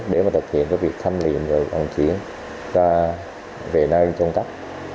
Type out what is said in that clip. để mà thực hiện việc khâm liệm và vận chuyển về nơi chôn cất